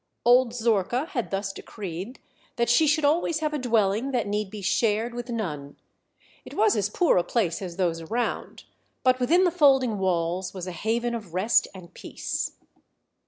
Old Zorka had thus decreed that she should always have a dwelling that need be shared with none. It was as poor a place as those around, but within the folding walls was a haven of rest and peace.